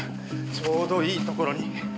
ちょうどいいところに。